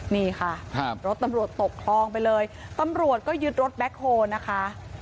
นี่ค่ะรถตำรวจตกคลองไปเลยตำรวจก็ยึดรถแบ็คโฮลนะคะ